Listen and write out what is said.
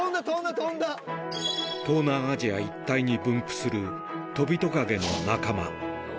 飛んだ、東南アジア一帯に分布する、トビトカゲの仲間。